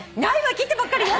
切ったばっかりよ。